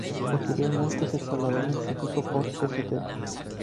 Posteriormente se trasladó al Instituto Port St.